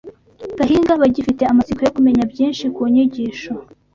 Gahinga bagifite amatsiko yo kumenya byinshi ku nyigisho